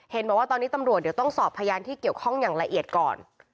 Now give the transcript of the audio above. บอกว่าตอนนี้ตำรวจเดี๋ยวต้องสอบพยานที่เกี่ยวข้องอย่างละเอียดก่อน